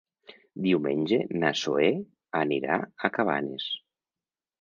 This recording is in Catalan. Diumenge na Zoè anirà a Cabanes.